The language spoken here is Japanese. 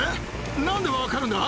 なんで分かるんだ？